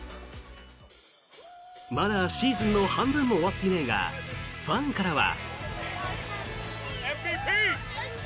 まだシーズンの半分も終わっていないがファンからは。